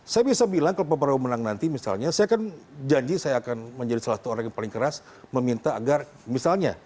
saya bisa bilang kalau pak prabowo menang nanti misalnya saya akan janji saya akan menjadi salah satu orang yang paling keras meminta agar misalnya